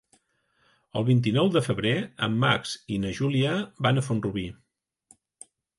El vint-i-nou de febrer en Max i na Júlia van a Font-rubí.